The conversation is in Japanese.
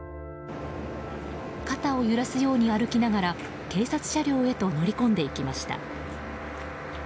肩を揺らすように歩きながら警察車両へと乗り込んでいきました。